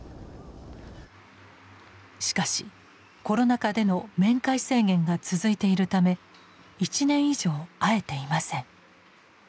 しかしコロナ禍での面会制限が続いているため１年以上会えていません。